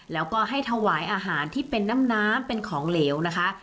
แล้วก็ให้ถวายอาหารที่เป็นน้ำน้ำเป็นของเหลวนะคะ